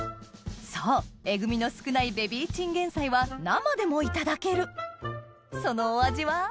そうえぐみの少ないベビーチンゲン菜は生でもいただけるそのお味は？